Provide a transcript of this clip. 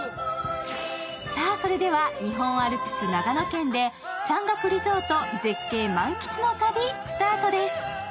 さあそれでは、日本アルプス長野県で山岳リゾート絶景満喫の旅スタートです。